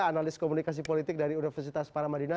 analis komunikasi politik dari universitas paramadina